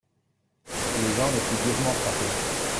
Les gens les plus durement frappés.